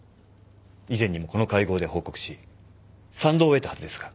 以前にもこの会合で報告し賛同を得たはずですが。